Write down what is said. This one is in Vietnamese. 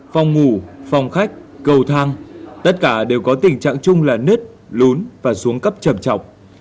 phòng ngủ phòng khách cầu thang tất cả đều có tình trạng chung là nứt lún và xuống cấp trầm trọng